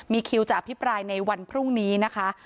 มีคิวจะอภิปรายในวันพรุ่งนี้นะคะ